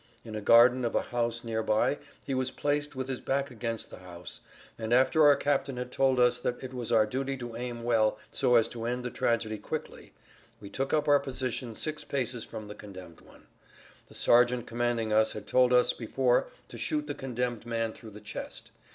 In a garden of a house nearby he was placed with his back against the house, and after our captain had told us that it was our duty to aim well so as to end the tragedy quickly, we took up our position six paces from the condemned one. The sergeant commanding us had told us before to shoot the condemned man through the chest.